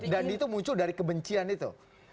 dan itu muncul dari kebencian itu